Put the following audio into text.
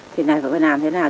thế nào phải làm thế nào